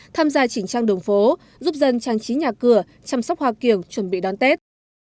tham gia chỉnh trang đường phố giúp dân trang trí nhà cửa chăm sóc hoa kiểng chuẩn bị đón tết